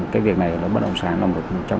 cái việc này bất động sản là một trong